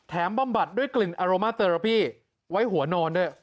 บำบัดด้วยกลิ่นอารม่าเตอรพี่ไว้หัวนอนด้วย